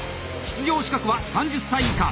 出場資格は３０歳以下。